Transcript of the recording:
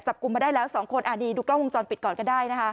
กุมมาได้แล้ว๒คนอันนี้ดูกล้องวงจรปิดก่อนก็ได้นะคะ